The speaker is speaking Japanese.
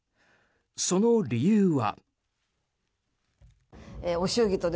その理由は。